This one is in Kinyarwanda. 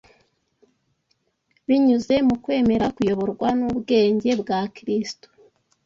binyuze mu kwemera kuyoborwa n’ubwenge bwa Kristo